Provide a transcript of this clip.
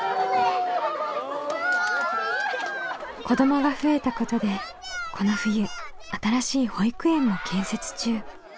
子どもが増えたことでこの冬新しい保育園も建設中。